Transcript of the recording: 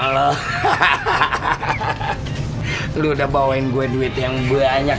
lo udah bawain gue duit yang banyak